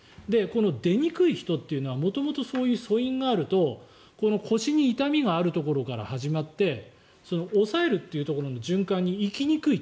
出にくい人というのは元々そういう素因があると腰に痛みがあるところから始まって抑えるというところの循環に行きにくいと。